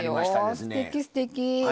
すてきすてき。